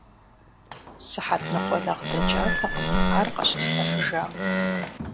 Сыхьэт ныкъуэ нэхъ дэкӀатэкъым ар къыщыслъэфыжам.